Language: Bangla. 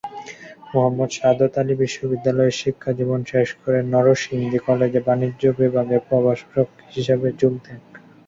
মোহাম্মদ সাদত আলী বিশ্ববিদ্যালয়ের শিক্ষাজীবন শেষ করে নরসিংদী কলেজে বাণিজ্য বিভাগের প্রভাষক হিসেবে যোগ দেন।